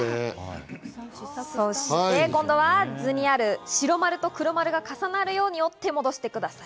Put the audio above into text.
そして今度は図にある白丸と黒丸が重なるように折ってください。